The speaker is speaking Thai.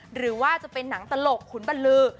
หรือว่าจะเป็นหนังตลกขุนบรรลือ